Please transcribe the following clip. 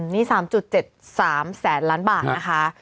นี่๓๗๓แสนล้านบาทนะคะ